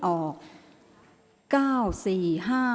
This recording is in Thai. ออกรางวัลที่๖เลขที่๗